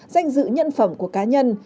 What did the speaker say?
danh dự nhân phẩm của cá nhân